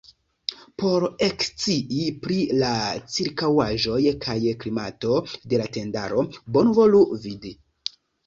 Por ekscii pri la ĉirkaŭaĵoj kaj klimato de la tendaro bonvolu vd.